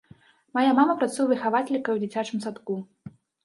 Мая мама працуе выхавацелькай у дзіцячым садку.